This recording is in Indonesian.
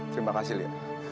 terima kasih li